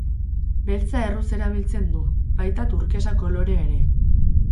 Beltza erruz erabiltzen du, baita turkesa kolorea ere.